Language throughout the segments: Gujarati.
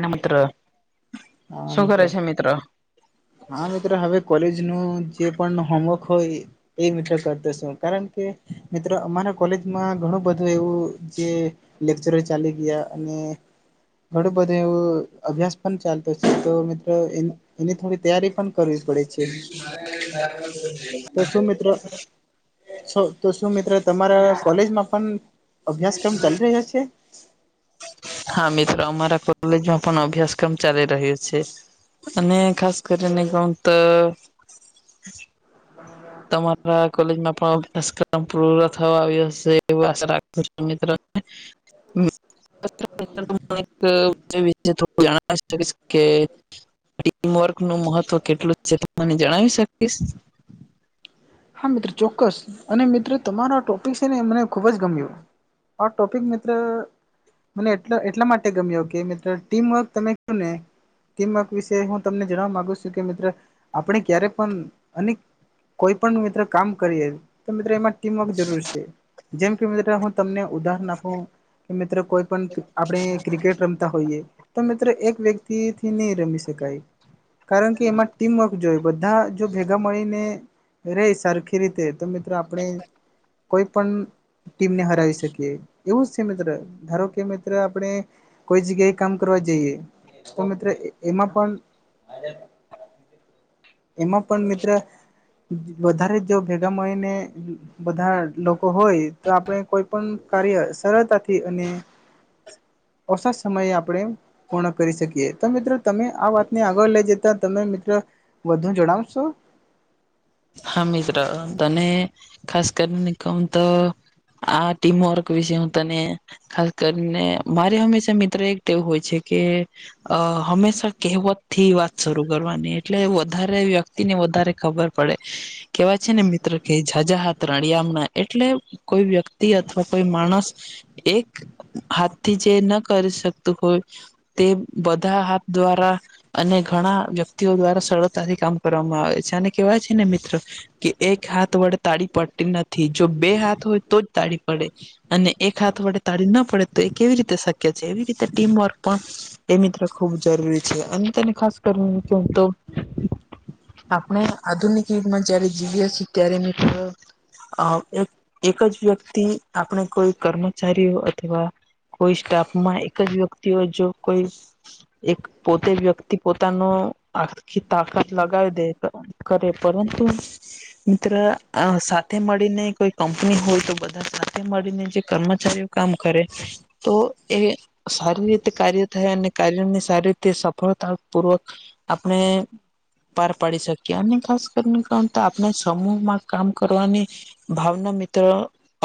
ન મિત્ર. શું કરે છે મિત્ર? હા મિત્ર હવે કોલેજ નું જે પણ હોમવક હોય. એ મિત્ર કરતો સું કારણ કે મિત્રો અમારા કોલેજમાં ઘણું બધું એવું જે લેક્ચરો ચાલી ગીયા અને ઘણું બધું એવું અભ્યાસ પણ ચાલતો છે તો મિત્રો એ એ તૈયારી પણ કરવી પડે છે. તો શું મિત્ર છો. તો શું મિત્ર, તમારા કોલેજમાં પણ અભ્યાસક્રમ ચાલી રહ્યો છે? હા મિત્ર, અમારા કોલેજમાં પણ અભ્યાસક્રમ ચાલી રહે છે. અને ખાસ કરીને કવ ત તમારા કોલેજમાં પણ અભ્યાસક્રમ પૂયો થવા આવ્યો હશે, એવી આશા રાખુ છું મિત્ર. હમ. [inaudible] જાણેશે કે ટીમવર્ક નું મહત્વ કેટલું છે, તે મને જણાવી સકીસ? હા મિત્ર, ચોક્કસ અને મિત્ર તમારો ટોપિક સે ને મને ખુબ જ ગમ્યું. આ ટોપિક મિત્ર મને એટ એટલા માટે ગમ્યો કે મિત્રો ટીમવર્ક તમે કું ને કેક વિષ હું તમને જણવા મામાંગુ છું કે મિત્ર આપણે ક્યારે પણ અને મિત્રો કામ કરીએ તો મિત્રો એમાં ટીમવર્ક જરૂર છે જેમ કે મ્રો તમને ઉદાહરણ આપું કે મિત્રો કોઈ પણ આપણે ક્રિકેટ ર હોઈએ તો મિત્રો એક વ્યક્તિથી નહી રમી શકાય કારણ કે એમાં ટીમવર્ક જોય બધા જો ભેગા મળીને રે સરખી રીતે તો મિત્રો આપણે કોઈ પણ ટીમને હરાવી શકીએ એવું જ છે મિત્ર ધારો કે મિત્ર આપણે કોઈ જગ્યાએ કામ કરવા જઈએ તો મિત્રો એમાં પણ એમાં પણ મિત્ર વધારે જો ભેગા મળયી ને બધા લોકો હોય તો આપણે કોઈ પણ કાર્ય સરળતાથી અને ઓછા સમયે આપણેે પૂર્ણ કરી શકીએ તો મિત્રો તમે આ વાતને આગળ લઈ જતા તમે મિત્રો વધુ જણાવશો હા મિત્ર તને ખાસ કરીને કોમ તો આ ટીમ વર્ક વિષય તને ખાસ કરીને મારે હંમેશા મિત્ર એક એવું હોય છે કે અ હંમેશા કહેવત થી વાત શરૂ કરવાની એટલે વધારે વ્યક્તિને વધારે ખબર પડે કેવાય છે ને મિત્ર કે જાઝજા હાત રાણીિયામણા એટલે કોઈ વ્યક્તિ અથવા કોઈ માણસ એક હાથ થી જે ન કરી શકતું હોય તે બધા હાથ દ્વારા અને ઘણા વ્યક્તિઓ દ્વારા સરળતાથી કામ કરવામાં આવે છે અનેને કેવાય છે ને મિત્રો કે એક હાથ વડે તાળી પડતી નથી જો બે હાથ હોય તો જ તાળી પડે અને એક હાથ વડે તાળી ના પડે તો એ કેવી રીતે શક્ય છે એવી રીતે ટીમવર્ક પણ એ મિત્ર ખૂબ જરૂરી છે અને તેને ખાસ કરીને કે તો આપણે આધુનિક યુગમાં જયારે જીવી્યા છીએ ત્યારે મે અ એક એક જ વ્યક્તિ આપણે કોઈ કર્મચારીઓ અથવા કોઈ સ્ટાફ માં એક જ વ્યક્તિઓ જો કોઈ એક પોતે વ્યક્તિ પોતાનું આખખી તાકાત લગાવી દે કરે પરંતુ મિત્ર સાથે મળીને કોઈ કંપની હોય તો બધા સાથે મળીને જે કર્મચારીઓ કામ કરે તો એ સારી રીતે કાર્ય થાય અને કાર્યની સારી રીતે સફળતા પૂર્વક આપણે પાર પાડી શકીએ અને ખાસ કરીને કારણ તો આપણે સમૂહ માં કામ કરવાની ભાવના મિત્ર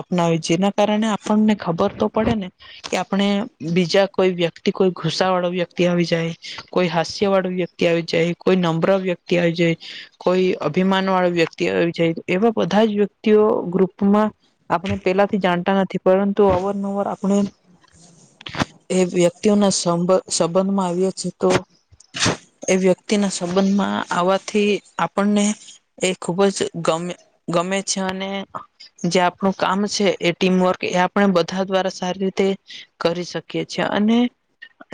અપનાવે જેના કારણે આપણને ખબર તો પડે ને કે આપણે બીજા કોઈ વ્યક્તિ કોઈ ગુસા વાળો વ્યક્તિ આવી જાય કોઈ હાસ્ય વાળ વ્યક્તિ આવી જાય કોઈ નમ્ર વ્યક્તિ આવી જાય કોઈ અભિમાન વાળો વ્યક્તિ આવી જાય એવા બધા જ વ્યક્તિઓ ગ્રુપમાં આપણે પેલાથી જાણતા નથી પરંતુ અવરનવર આપણે એ વ્યક્તિઓના સંભ સંબંધમાં આવ્યા છે તો એ વ્યક્તિના સંબંધ માં આવવાથી આપને એ ખુબ જ ગમે ગમે છે અને જે આપણું કામ છે એ ટીમ વર્ક એ આપણે બધા દ્વારા સારી રીતે કરી શકીએ છ છેએ અને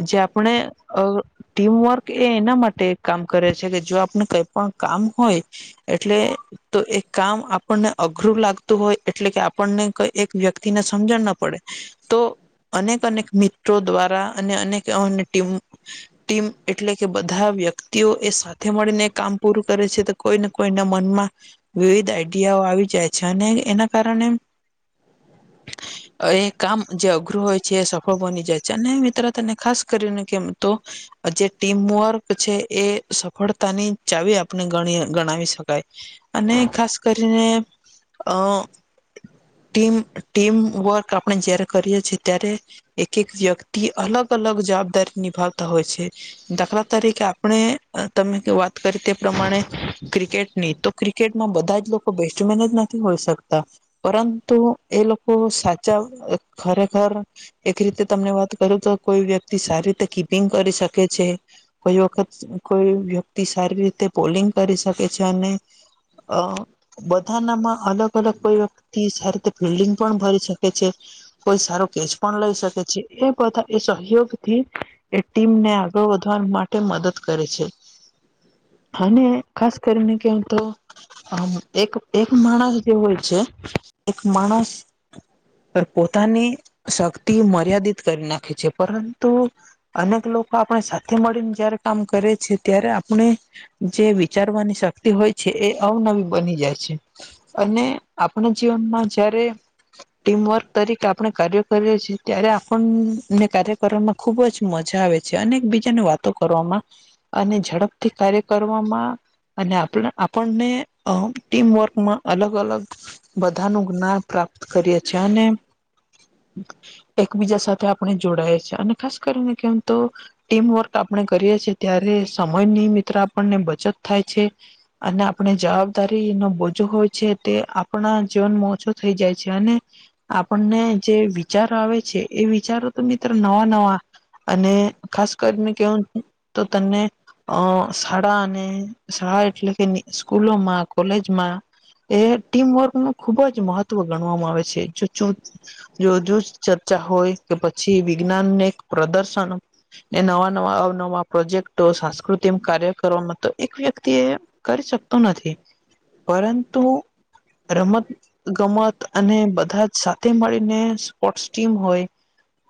જે આપણે અ ટીમવર્ક એ એના માટે કામ કરે છે કે જો આપને કઈ પણ કામ હોય એટલે તો એ કામ આપણને અઘરું લાગતું હોય એટલે કે આપણને કઈ એક વ્યક્તિને સમજણ ના પડે તો અનેક અનેક મિત્રો દ્વારા અને અનેક અ ટીમ ટીમ એટલે કે બધા વ્યક્તિઓ એ સાથે મળીને કામ પૂરું કરે છે તો કોઈને કોઈના મનમાં વિવિધ આઈડિયાઓ આવી જાય છે અને એના કારણે હ એ કામ જે અઘરું હોય છે એ સફળ બની જાય છે અને મિત્ર તને ખાસ કરીને કેમ તો જે ટીમવર્ક છે એ સફળતાની ચાવી આપણે ગણી ગણાવી શકાય અને ખાસ કરીને અ ટીમ ટીમ વર્ક આપણે જય્યારે કરીએ છીએ ત્યારે એક એક વ્યક્તિ અલગ અલગ જવાબદારી નિભાવતા હોય છે દાખલા તરીકે આપણે તમે વાત કરી તે પ્રમાણે ક્રિકેટની તો ક્રિકેટમાં બધા જ લોકો બેસ્ટમેન જ નથી હોય શકતા પરંતુ એ લોકો સાચા ખરેખર એક રીતે તમને વાત કરું તો કોઈ વ્યક્તિ સારી રીતે કીપિંગ કરી શકે છે. કોઈ વખત કોઈ વ્યક્તિ સારી રીતે પોોલિંગ કરી શકે છે અને અ બધાનામાં અલગ અલગ કોઈ વ્યક્તિ સારી રીતે ફિલ્ડિંગ પણ ભરી શકે છે કોઈ સારો કેચ પણ લઈ શકે છે એ બધા એ સહયોગથી એ ટીમને આગળ વધવા માટે મદદ કરે છે. અને ખાસ કરીને કેવ તો આમ એક એક માણસ જે હોય છે એક માણસ પોતાની શક્તિ મર્યાદિત કરી નાખે છે પરંતુ તો અનેક લોકો આપણે સાથે મળીને જયારે કામ કરે છે ત્યારે આપણે જે વિચારવાની શક હોય છે એ અવનવી બની જાય છે અને આપણા જીવનમાં જયારે ટીમવર્ક તરીકે આપણે કાર્ય કરીએ છીએ ત્યારે આપણ ને કાર્ય કરવામાં ખુબ જ મજા આવે છે અને એકબીજાને વાતો કરવામાં અને ઝડપ થી કાર્ય કરવામાં અને આપણને ટીમવર્કમાં અલગ અલગ બધાનું જ્ઞાન પ્રાપ્ત કરીએ છ છેીએ અને એકબીજા સાથે આપણે જોડાય છે અને ખાસ કરીને કેમ તો ટીમવર્ક આપણે કરીએ છીએ ત્યારે સમયની મિત્ર આપણને બચત થાય છે. અને આપણે જવાબદારી નો બોજો હોય છે તે આપણા જીવનમાં ઓછો થઈ જાય છે અને આપણને જે વિચારો આવે છે એ વિચારો તો મિત્ર નવા નવા અને ખાસ કરીને કેવાનું તો તને અ શાળા અને શાળા એટલે કે સ્કૂલોમાં કોલેજમાં એ ટીમવર્ક નું ખુબ જ મહત્વ ગણવામાં આવે છે જો ચ જોજુ ચર્ચા હોય કે પછી વિજ્ઞાનને એક પ્રદર્શન એ નવા નવા અવનવા પ્રોજેક્ટો સાસ્કૃત તેમ કાર્ય કરવામાં તો એક વ્યક્તિ એ કરી શકતું નથી પરંતુ રમત ગમત અને બધા જ સાથે મળીને સ્પોર્ટ્સ ટીમ હોય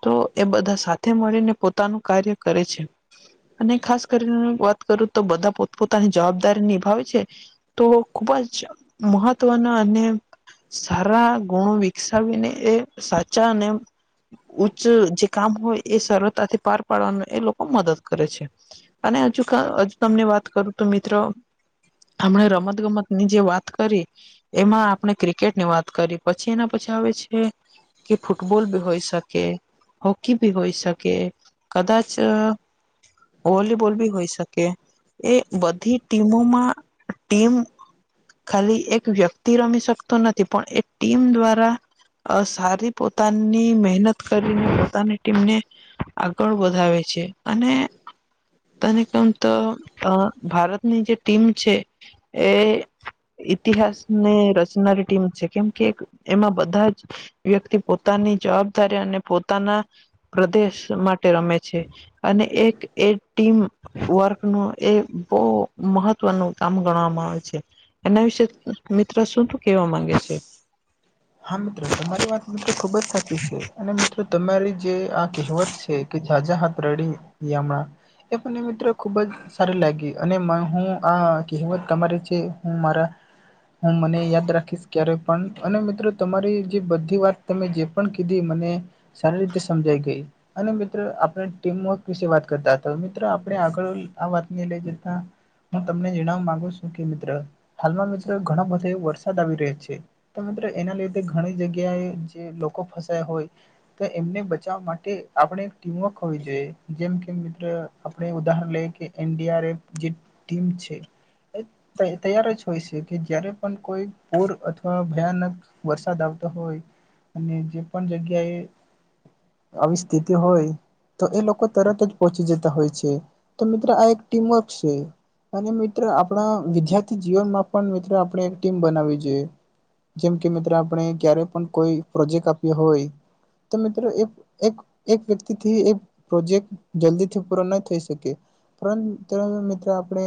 તો એ બધા સાથે મળીને પોતાનું કાર્ય કરે છે અને ખાસ કરીને વાત કરું તો બધા પોતપ પોતાની જવાબદારી નિભાવે છે તો ખુબ જ મહત્વનો અને સારા ગુણો વિકસાવીને એ સાચા અનેને ઉચ્ચ જે કામ હોય એ સરળતાથી પાર પાડવાનું એ લોકો મદદ કરે છે. અને હજુ હજુ તમને વાત કરું તો મિત્રો હમણે રમત ગમત ની જે વાત કરી એમાં આપણે ક્રિકેટ ની વાત કરી પછી એના પછી આવે છે કે ફુટબલ બ હોય સકે હોકી ભી હોય શકે કદાચ વોલીબોલ ભી હોય. શક્ય એ બધી ટીમોમાં ટીમ ખાલી એક વ્યક્તિ રમી શકતો નથી પણ એ ટીમ દ્વારા અ સારી પોતાની મહેનત કરીને પોતાની ટીમને આગળ વધાવે છે અને તને કમ તો ભારતની જે ટીમ છે એ ઇતિહાસ ને રચનારી ટીમ છે કેમ કે એમાં બધા જ વ્યક્તિ પોતાની જવાબદારી અને પોતાના પ્રદેશ માટે રમે છે અને એક એ ટીમ વર્ક નું એ બહ મહત્વનું કામ ગણવામાં આવે છે. એના વિશે મિત્ર શું તું કેવા માંગે છે? હા મિત્રો તમારી વાત મિત્રો ખુબ જ સાચી છે અને મિત્રો તમારી જે આ કહેવત છે કે. [inaudible] મિત્રો ખુબ જ સારી લાગી અને હું આ કહેવત તમારી છે હું મારા હું મને યાદ રાખીશ ક્યારે પણ અને મિત્રો તમારી જે બધી વાત તમે જે પણ કીધી મને સારી રીતે સમજાઈ ગઈ અને મિત્રો આપણે ટીમવર્ક વિશે વાત કરતા હતા મિત્રો આપણે આગળ આ વાતને લઈ જતા હું તમને જણાવવા માંગુ છું કે મિત્ર હાલમાં મિત્રો ઘણા બધે વરસાદ આવી રહ્યો છે. તો મિત્ર એના લીધે ઘણી જગ્યાએ જે લોકો ફસાયા હોય તો એમને બચાવવા માટે આપણે એક ટીમવર્ક હોવી જોઈએ જેમ કે મિત્ર આપણે ઉદાહરણ લઈએ કે ઇન્ડિયારેટ જે ટીમ છે. તૈયાર જ હોય છે કે જયારે પણ કોઈ પૂર અથવા ભયાનક વરસાદ આવતો હોય અને જે પણ જગ્યાએ આવી સ્થિત હોય તો એ લોકો તરત જ પહોંચી જતા હોય છે તો મિત્રો આ એક ટીમવર્ક છે. અને મિત્ર આપણા વિદ્યાર્થી જીવનમાં પણ મિત્ર આપણે એક ટીમ બનાવી જોઈ જેમ કે મિત્રો આપણે ક્યારેક પણ કોઈ પ્રોજેક્ટ આપ્યો હોય તો મિત્રો એક એક એક વ્યક્તિથી એક પ્રોજેક્ટ જલ્દીથી પૂરો ન થઈ શકે પરંતુ મિત્ર આપણે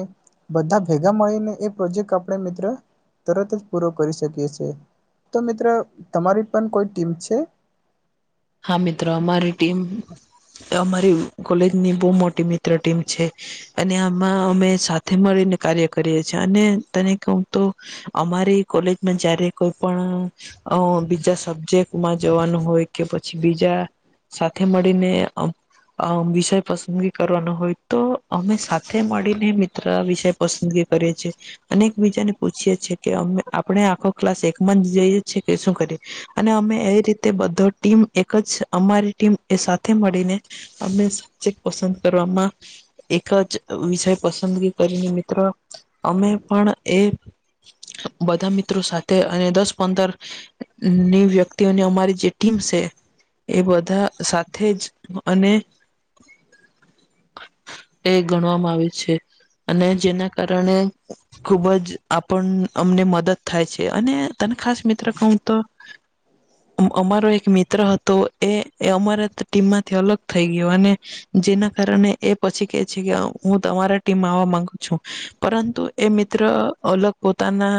બધા ભેગા મળીને એ પ્રોજેક્ટ આપણે મિત્ર તરત જ પૂરો કરી શકીએ છીએ તો મિત્રો તમારી પણ કોઈ ટીમ છે? હા મિત્રો અમારી ટીમ અમારી કોલેજની બહુ મોટી મિત્ર તે ટીમ છે અને આમાં અમે સાથે મળીને કાર્ય કરીએ છીએ અને તને કહું તો અમારી કોલેજમાં જયારે કોઈ પણ અ બીજા સબ્જેક્ટમાં જવાનું હોય કે પછી બીજા સાથે મળીને અ વિષય પસંદગી કરવાનો હોય તો અમે સાથે મળીને મિત્ર વિષય પસંદગી કરે છે. અને એક બીજાને પૂછીએે છે કે અમે આપણે આખો ક્લાસ એકમાં જ જઈએ છીએ કે શું કરીએ અને અમે એ રીતે બધો ટીમ એક જ અમારી ટીમ એ સાથે મળીને અમે સબ્જેક્ટ પસંદ કરવામાં એક જ વિષય પસંદગી કરીને મિત્રો અમે પણ એ બધા મિત્રો સાથે અને દસ પંદર ની વ્યક્તિઓને અમારી ટીમસે એ બધા સાથે જ અને [unintelligible] એ ગણવામાં આવે છે અને જેના કારણે ખુબ જ આપણ અમને મદદ થાય છે અને તને ખાસ મિત્ર કહું તો અમારો એક મિત્ર હતો એ અમારા ટીમમાંથી અલગ થઈ ગયો અને જેના કારણે એ પછી કે છે કે હું તમારા ટીમ આવવા માંગુ છું પરંતુ એ મિત્ર અલગ પોતાના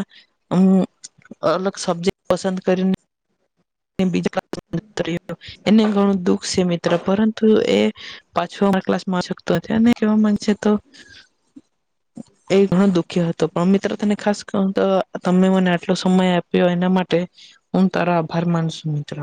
અલગ સબ્જેક્ટ પસંદ કરીને [inaudible] એને ઘણું દુખ છે મિત્ર પરંતુ એ પાછો અમારા ક્લાસમાં આવી શકતો નથી અને કેમ માન છે તો [inaudible] એ ઘણો દુખી હતો પણ મિત્ર તને ખાસ કહું તો તમે મને આટલો સમય આપ્યો એના માટે હું તારો આભાર માનું છુ મિત્ર